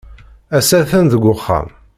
Ass-a atan deg uxxam.